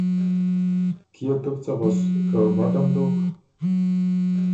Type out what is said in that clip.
کيې تُو بو څۀ غؤس که بدم دوک؟